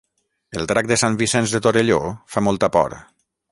El drac de Sant Vicenç de Torelló fa molta por